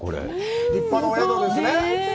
立派なお宿ですね。